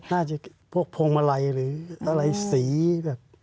พวกพวงมาลัยหรืออะไรสีแบบ